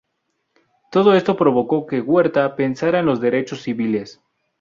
Todo esto provocó que Huerta pensara en los derechos civiles.